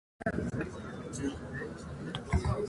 Jugó seis partidos con la selección de fútbol de Noruega.